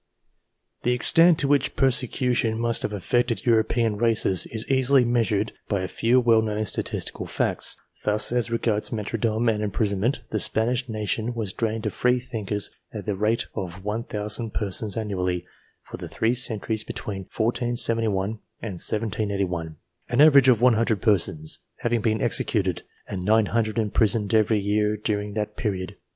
The extent to which persecution must have affected European races is easily measured by a few well known statistical facts. Thus, as regards martyrdom and imprison ment, the Spanish nation was drained of free thinkers at the rate of 1,000 persons annually, for the three centuries between 1471 and 1781 ; an average af 100 persons having been excuted and 900 imprisoned every year during that period.